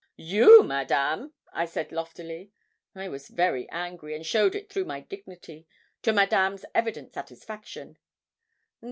'You! Madame!' I said loftily. I was very angry, and showed it through my dignity, to Madame's evident satisfaction.